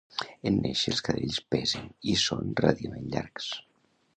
En néixer, els cadells pesen i són relativament llargs.